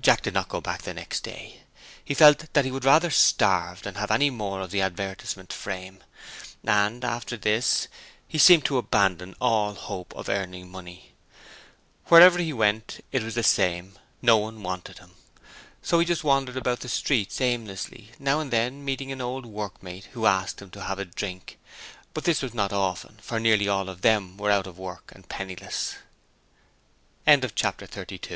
Jack did not go back the next day; he felt that he would rather starve than have any more of the advertisement frame, and after this he seemed to abandon all hope of earning money: wherever he went it was the same no one wanted him. So he just wandered about the streets aimlessly, now and then meeting an old workmate who asked him to have a drink, but this was not often, for nearly all of them were out of work and penniless. Chapter 33 The Soldier's Child